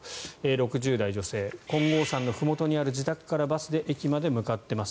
６０代女性金剛山のふもとにある自宅からバスで駅まで向かってます